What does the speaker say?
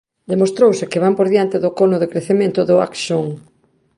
Demostrouse que van por diante do cono de crecemento do axón.